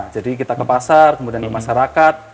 jadi kita ke pasar kemudian ke masyarakat